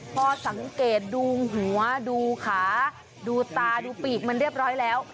พอสังเกตดูหัวดูขาดูตาดูปีกมันเรียบร้อยแล้ว